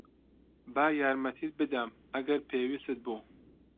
با یارمەتیت بدەم، ئەگەر پێویست بوو.